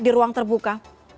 di ruang terbuka